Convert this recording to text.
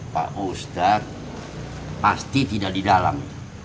pak ustadz pasti tidak di dalam